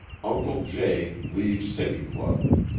Uncle J. leaves City Club.